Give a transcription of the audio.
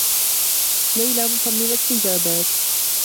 ليلى مصمّمة حجابات.